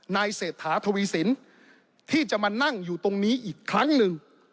เศรษฐาทวีสินที่จะมานั่งอยู่ตรงนี้อีกครั้งหนึ่ง